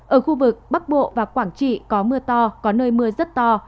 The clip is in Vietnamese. ở khu vực bắc bộ và quảng trị có mưa to có nơi mưa rất to